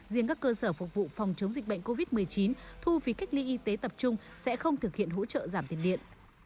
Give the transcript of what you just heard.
riêng các cơ sở phục vụ phòng chống dịch bệnh covid một mươi chín thu phí cách ly y tế tập trung sẽ không thực hiện hỗ trợ giảm tiền điện